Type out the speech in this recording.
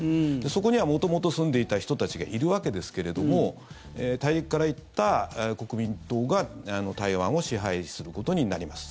そこには元々住んでいた人たちがいるわけですけれども大陸から行った国民党が台湾を支配することになります。